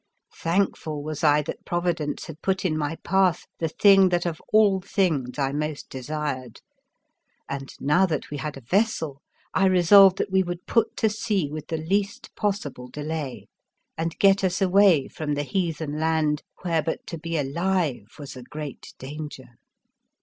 Thankful was I that Providence had put in my path the thing that of all things I most desired; and now that we had a vessel, I resolved that we would put to sea with the least possible delay, and get us away from the hea then land where but to be alive was a great danger.